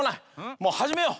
もうはじめよう！